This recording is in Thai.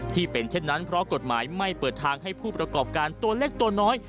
ที่เป็นเช่นนั้นเพราะกฎหมายไม่เปิดทางให้ผู้ประกอบการตัวเล็กตัวน้อย